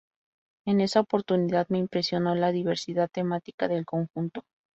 En esa oportunidad me impresionó la diversidad temática del conjunto.